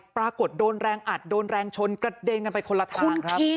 ปรากฏโดนแรงอัดโดนแรงชนกระเด็นกันไปคนละทางครับ